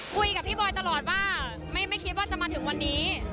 คุยกับพี่บอยตลอดว่าไม่คิดว่าจะมาถึงวันนี้